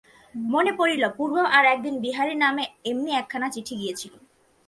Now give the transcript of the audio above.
মনে পড়িল, পূর্বেও আর-একদিন বিহারীর নামে এমনি একখানা চিঠি গিয়াছিল।